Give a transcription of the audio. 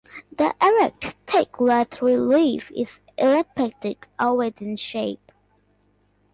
The erect, thick, leathery leaf is elleptic-ovate in shape.